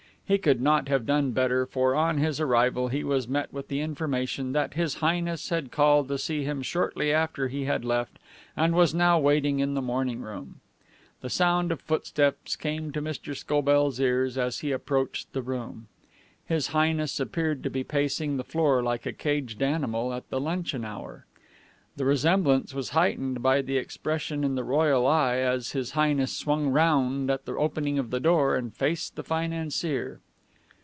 He could not have done better, for, on his arrival, he was met with the information that His Highness had called to see him shortly after he had left, and was now waiting in the morning room. The sound of footsteps came to Mr. Scobell's ears as he approached the room. His Highness appeared to be pacing the floor like a caged animal at the luncheon hour. The resemblance was heightened by the expression in the royal eye as His Highness swung round at the opening of the door and faced the financier.